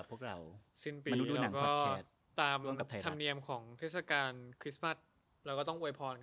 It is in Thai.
เราขอไว้ฟอน